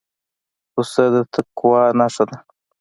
پسه د تقوی نښه ده.